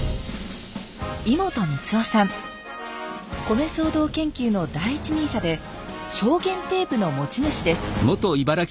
米騒動研究の第一人者で証言テープの持ち主です。